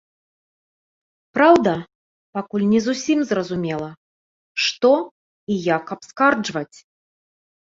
Праўда, пакуль не зусім зразумела, што і як абскарджваць.